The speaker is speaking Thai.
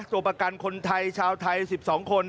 ตัวประกันคนไทยชาวไทย๑๒คน